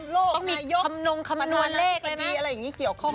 ต้องมีคำนวณเลขเลยนะปัญหานาศิษย์ภาพดีอะไรอย่างนี้เกี่ยวข้องกัน